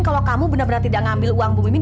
kalau kamu tidak memravin uang bu mimin